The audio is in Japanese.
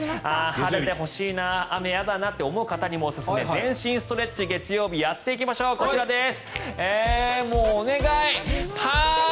晴れてほしいな雨やだなと思う方にもおすすめ全身ストレッチ月曜日やっていきましょうこちらです。